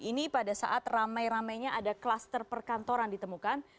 ini pada saat ramai ramainya ada kluster perkantoran ditemukan